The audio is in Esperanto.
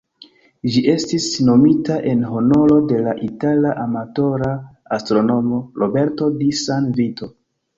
Ĝi estis nomita en honoro de la itala amatora astronomo "Roberto di San Vito".